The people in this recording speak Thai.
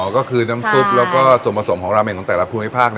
ก็คือน้ำซุปแล้วก็ส่วนผสมของราเมนของแต่ละภูมิภาค